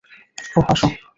ওহ, আসো।